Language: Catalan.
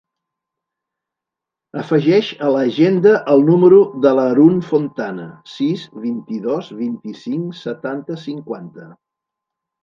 Afegeix a l'agenda el número de l'Haroun Fontana: sis, vint-i-dos, vint-i-cinc, setanta, cinquanta.